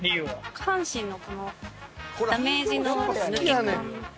下半身のこのダメージの抜け感に対して。